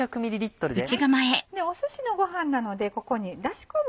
すしのご飯なのでここにだし昆布